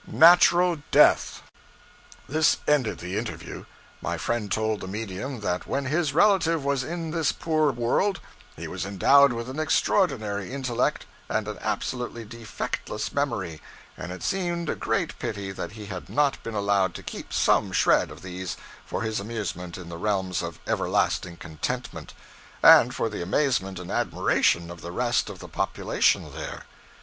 Natural death. This ended the interview. My friend told the medium that when his relative was in this poor world, he was endowed with an extraordinary intellect and an absolutely defectless memory, and it seemed a great pity that he had not been allowed to keep some shred of these for his amusement in the realms of everlasting contentment, and for the amazement and admiration of the rest of the population there.